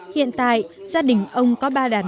hiện tại gia đình ông có ba đàn lợn nàng